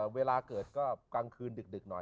เวลาเกิดก็กลางคืนดึกหน่อย